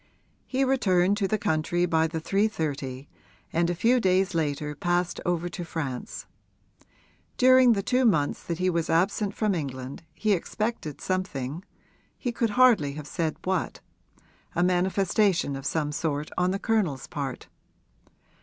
He returned to the country by the 3.30 and a few days later passed over to France. During the two months that he was absent from England he expected something he could hardly have said what; a manifestation of some sort on the Colonel's part.